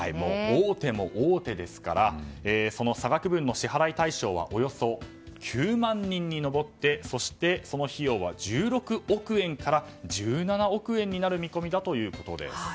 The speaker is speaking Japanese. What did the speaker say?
大手も大手ですからその差額分の支払い対象はおよそ９万人に上ってそして、その費用は１６億円から１７億円になる見込みだということです。